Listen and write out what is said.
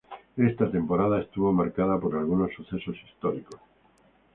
Esta temporada estuvo marcada por algunos sucesos históricos.